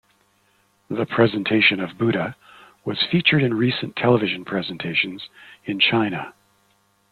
"The Presentation of Buddha" was featured in recent television presentations in China.